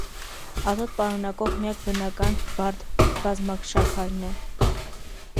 Ազոտ պարունակող միակ բնական բարդ բազմաշաքարն է։